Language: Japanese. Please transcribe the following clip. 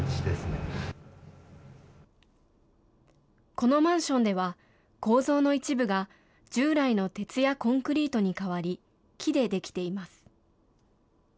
このマンションでは、構造の一部が従来の鉄やコンクリートに代わり、木で出来ています。